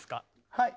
はい。